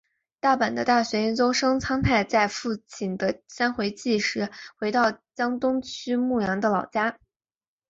大阪的大学研究生苍太在父亲的三回忌时回到江东区木场的老家。